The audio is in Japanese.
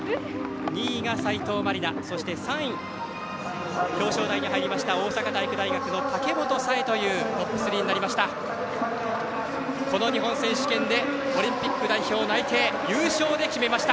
２位が斉藤真理菜そして３位、表彰台に入りました大阪体育大学の武本紗栄というトップ３になりました。